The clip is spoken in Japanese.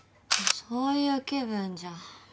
そういう気分じゃ。